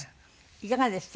いかがでした？